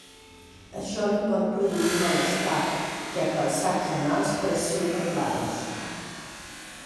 Això li pot produir malestar, ja que els sacs anals pressionen l'anus.